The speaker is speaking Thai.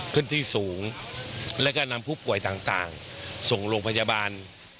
ขึ้นที่สูงแล้วก็นำผู้ป่วยต่างส่งโรงพยาบาล